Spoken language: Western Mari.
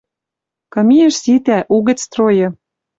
Кым иэш ситӓ — угӹц стройы.